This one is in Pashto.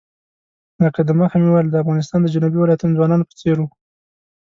لکه د مخه مې وویل د افغانستان د جنوبي ولایتونو ځوانانو په څېر وو.